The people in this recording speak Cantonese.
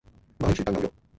馬鈴薯燉牛肉